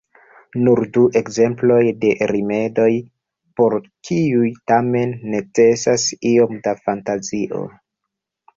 Nur du ekzemploj de rimedoj, por kiuj tamen necesas iom da fantazio.